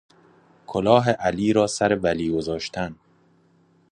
کلاه علی را سر ولی گذاشتن